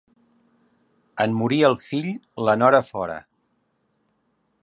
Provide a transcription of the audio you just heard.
En morir el fill, la nora fora.